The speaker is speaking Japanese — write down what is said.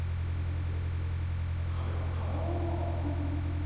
かめばかむ程。